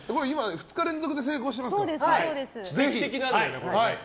２日連続で成功していますから。